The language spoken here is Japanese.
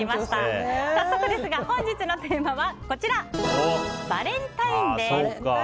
早速ですが本日のテーマはバレンタインです。